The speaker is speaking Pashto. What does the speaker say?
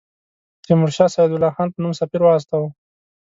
تیمورشاه سعدالله خان په نوم سفیر واستاوه.